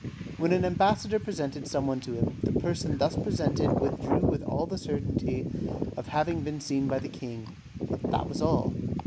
When an ambassador presented someone to him, the person thus presented withdrew with the certainty of having been seen by the king, but that was all.